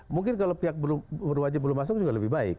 mungkin kalau pihak berwajib belum masuk juga lebih baik